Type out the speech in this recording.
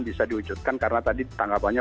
bisa diwujudkan karena tadi tanggapannya